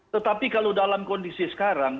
tetapi kalau dalam kondisi sekarang